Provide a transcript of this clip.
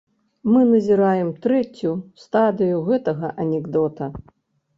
Мы назіраем трэцюю стадыю гэтага анекдота.